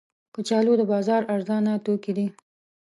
کچالو د بازار ارزانه توکي دي